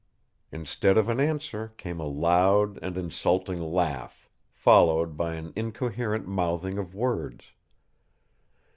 Instead of an answer came a loud and insulting laugh, followed by an incoherent mouthing of words.